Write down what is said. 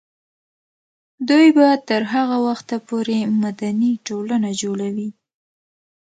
دوی به تر هغه وخته پورې مدني ټولنه جوړوي.